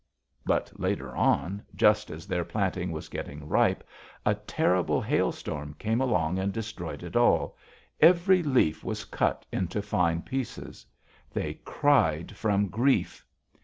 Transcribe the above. "But later on, just as their planting was getting ripe, a terrible hailstorm came along and destroyed it all; every leaf was cut into fine pieces! They cried from grief!